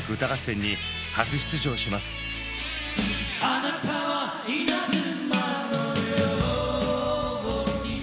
「あなたは稲妻のように」